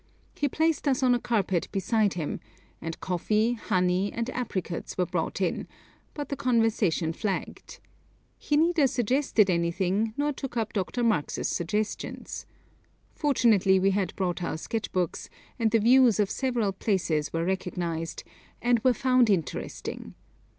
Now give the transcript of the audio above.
He placed us on a carpet beside him, and coffee, honey, and apricots were brought in, but the conversation flagged. He neither suggested anything nor took up Dr. Marx's suggestions. Fortunately, we had brought our sketch books, and the views of several places were recognised, and were found interesting.